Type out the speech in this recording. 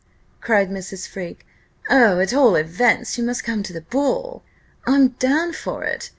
cried Mrs. Freke "Oh, at all events, you must come to the ball! I'm down for it.